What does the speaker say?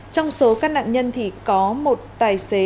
trong số các nạn nhân thì có một tài xế